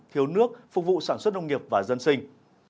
thiếu nước phục vụ sản xuất nông nghiệp và dân sinh